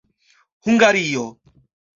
Hungario.